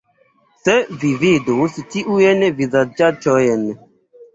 Se Vi vidus tiujn vizaĝaĉojn!